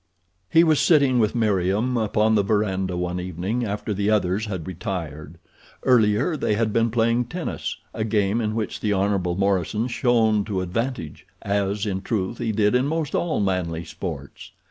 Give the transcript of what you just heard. He was sitting with Meriem upon the verandah one evening after the others had retired. Earlier they had been playing tennis—a game in which the Hon. Morison shone to advantage, as, in truth, he did in most all manly sports.